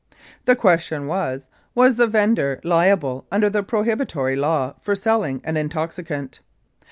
The question was, Was the vendor liable under the pro hibitory law for selling an intoxicant?